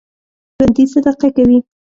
ژوندي صدقه کوي